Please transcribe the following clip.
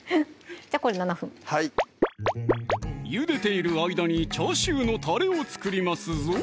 じゃあこれで７分はいゆでている間にチャーシューのたれを作りますぞ！